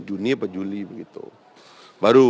juni apa juli begitu